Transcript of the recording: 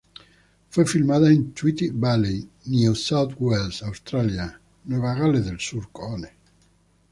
Fue filmada en Tweed Valley, New South Wales, Australia.